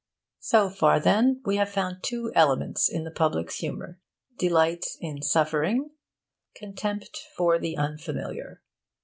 So far, then, we have found two elements in the public's humour: delight in suffering, contempt for the unfamiliar.